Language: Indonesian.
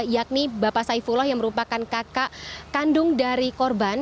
yakni bapak saifullah yang merupakan kakak kandung dari korban